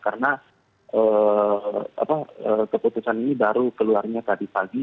karena keputusan ini baru keluarnya tadi pagi